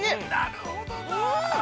◆なるほどな。